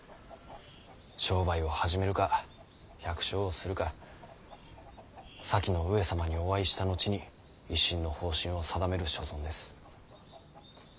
商売を始めるか百姓をするか先の上様にお会いした後に一身の方針を定める所存です。